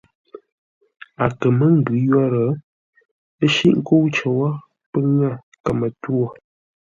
A kə̂ mə́ ngʉ̌ yə́rə́, ə́ shíʼ nkə́u cər wó, pə́ ŋə̂ kəmə-twô.